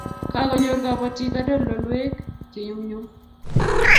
kakonyor kabotik kadoldolweik che nyumnyum